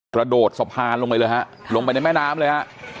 กระโดดสะพานลงไปเลยฮะลงไปในแม่น้ำเลยฮะ